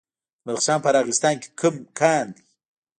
د بدخشان په راغستان کې کوم کان دی؟